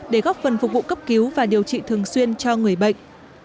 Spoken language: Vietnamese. để góp phần phục vụ cấp cứu và điều trị thường xuyên cho người bệnh